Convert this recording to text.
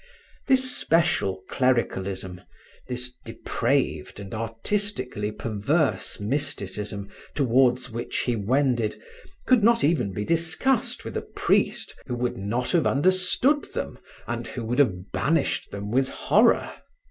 This special clericalism, this depraved and artistically perverse mysticism towards which he wended could not even be discussed with a priest who would not have understood them or who would have banished them with horror.